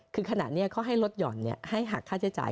คือขณะนี้เขาให้ลดห่อนให้หักค่าใช้จ่าย